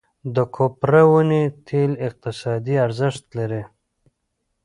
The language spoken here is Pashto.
د کوپره ونې تېل اقتصادي ارزښت لري.